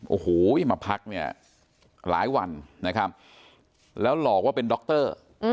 โอ้โหมาพักเนี่ยหลายวันนะครับแล้วหลอกว่าเป็นดร